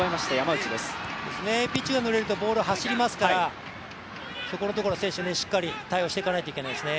ピッチがぬれるボールは走りますからそこのところ、選手もしっかり対応していかなければいけないですね。